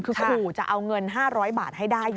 คือขู่จะเอาเงิน๕๐๐บาทให้ได้